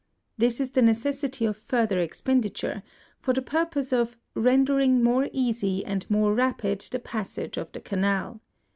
This is the necessity of further expenditure, for the purpose of "rendering more easy and more rapid the passage of the Canal.''